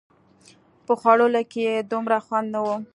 په خوړلو کښې يې دومره خوند نه و.